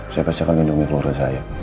saya pasti akan lindungi keluarga saya